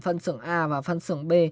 phân xưởng a và phân xưởng b